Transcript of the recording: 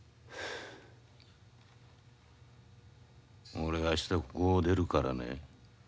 俺明日ここを出るからね。